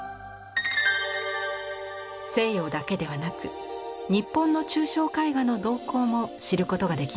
西洋だけではなく日本の抽象絵画の動向も知ることができます。